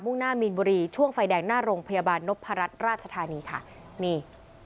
่งหน้ามีนบุรีช่วงไฟแดงหน้าโรงพยาบาลนพรัชราชธานีค่ะนี่